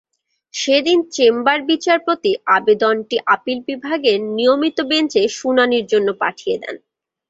সেদিন চেম্বার বিচারপতি আবেদনটি আপিল বিভাগের নিয়মিত বেঞ্চে শুনানির জন্য পাঠিয়ে দেন।